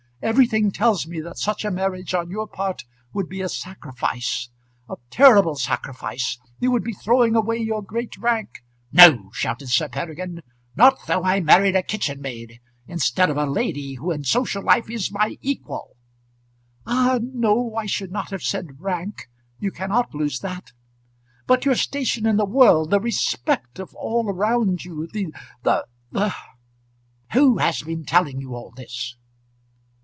Everything tells me that such a marriage on your part would be a sacrifice, a terrible sacrifice. You would be throwing away your great rank " "No," shouted Sir Peregrine; "not though I married a kitchen maid, instead of a lady who in social life is my equal." "Ah, no; I should not have said rank. You cannot lose that; but your station in the world, the respect of all around you, the the the " "Who has been telling you all this?"